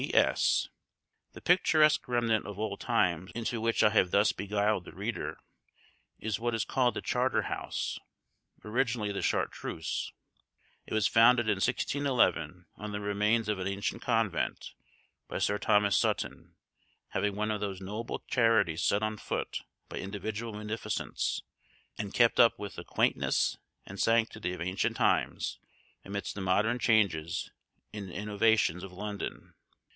P.S. The picturesque remnant of old times into which I have thus beguiled the reader is what is called the Charter House, originally the Chartreuse. It was founded in 1611, on the remains of an ancient convent, by Sir Thomas Sutton, being one of those noble charities set on foot by individual munificence, and kept up with the quaintness and sanctity of ancient times amidst the modern changes and innovations of London.